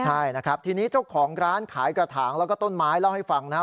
ใช่นะครับทีนี้เจ้าของร้านขายกระถางแล้วก็ต้นไม้เล่าให้ฟังนะครับ